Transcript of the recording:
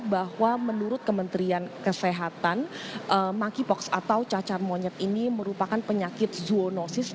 bahwa menurut kementerian kesehatan monkeypox atau cacar monyet ini merupakan penyakit zoonosis